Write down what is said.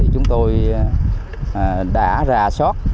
chúng tôi đã ra sót